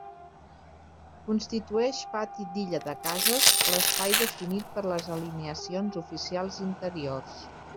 Constitueix pati d'illa de cases l'espai definit per les alineacions oficials interiors.